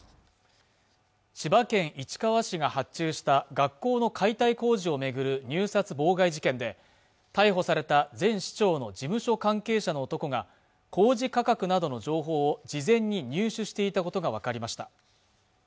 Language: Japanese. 千葉県市川市が発注した学校の解体工事を巡る入札妨害事件で逮捕された前市長の事務所関係者の男が工事価格などの情報を事前に入手していたことが分かりました